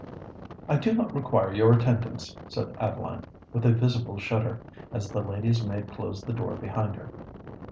"I do not require your attendance," said Adeline, with a visible shudder, as the lady's maid closed the door behind her.